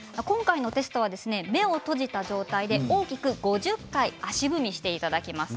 目を閉じた状態で大きく５０回足踏みしていただきます。